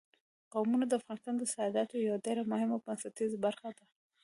قومونه د افغانستان د صادراتو یوه ډېره مهمه او بنسټیزه برخه ده.